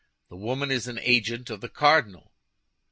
The woman is an agent of the cardinal."